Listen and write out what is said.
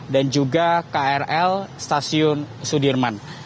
dan juga krl stasiun sudirman